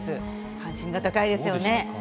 関心が高いですよね。